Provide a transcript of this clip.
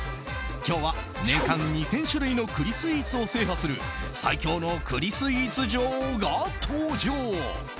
今日は、年間２０００種類の栗スイーツを制覇する最強の栗スイーツ女王が登場。